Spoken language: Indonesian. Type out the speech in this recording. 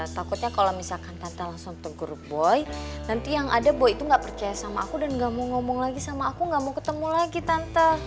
takutnya kalau misalkan tanta langsung tegur boy nanti yang ada boy itu nggak percaya sama aku dan gak mau ngomong lagi sama aku gak mau ketemu lagi tante